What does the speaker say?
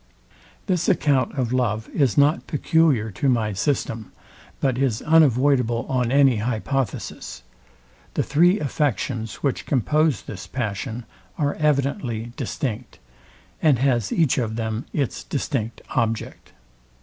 This account of love is not peculiar to my system, but is unavoidable on any hypothesis. The three affections, which compose this passion, are evidently distinct, and has each of them its distinct object.